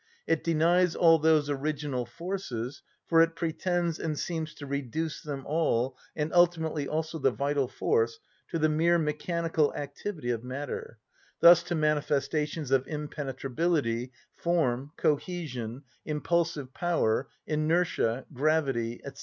It denies all those original forces, for it pretends and seems to reduce them all, and ultimately also the vital force, to the mere mechanical activity of matter, thus to manifestations of impenetrability, form, cohesion, impulsive power, inertia, gravity, &c.